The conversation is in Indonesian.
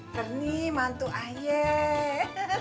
terni mantu ayah